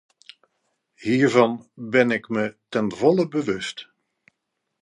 Hiervan ben ik mij ten volle bewust.